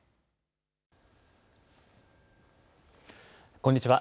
こんにちは。